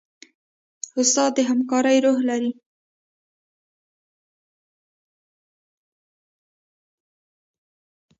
استاد د همکارۍ روح لري.